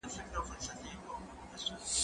خواړه د زهشوم له خوا ورکول کيږي